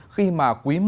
khi mà quý một